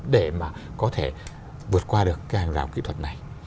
để có thể vượt qua được hàng rào kỹ thuật này